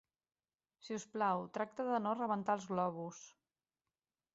Si us plau, tracta de no rebentar els globus